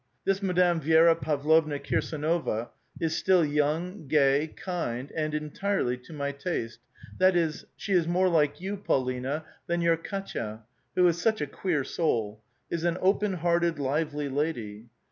This Madame ^Vi^ra Pavlovna Kirsdnova is still j'onng, gay, kind, and — entirel}* to ray taste; that is, she is more like vou, Paulina, than vour Katva, who is such a queer soul — is an open hearted, lively lady.